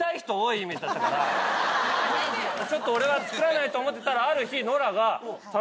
ちょっと俺は作らないと思ってたらある日。